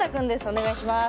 お願いします。